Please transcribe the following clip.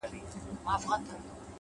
هڅه د وېرې دروازه تړي’